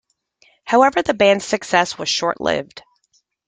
However, the band's success was short-lived.